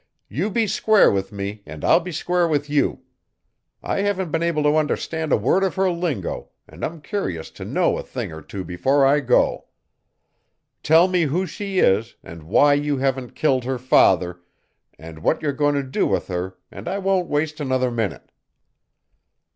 You be square with me and I'll be square with you. I haven't been able to understand a word of her lingo and I'm curious to know a thing or two before I go. Tell me who she is, and why you haven't killed her father, and what you're going to do with her and I won't waste another minute."